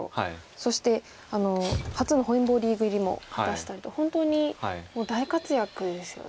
そして初の本因坊リーグ入りも果たしたりと本当にもう大活躍ですよね。